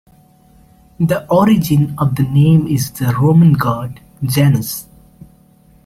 The origin of the name is the Roman god, Janus.